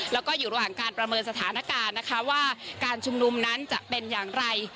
แล้วก็อยู่ระหว่างการประเมินสถานการณ์นะคะว่าการชุมนุมนั้นจะเป็นอย่างไร